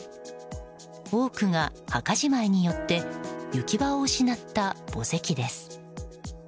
多くが墓じまいによって行き場を失った墓石です。